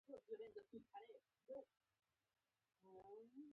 د نړۍ تر ګوټ ګوټه یې ساحوي برخه نه ده پریښې.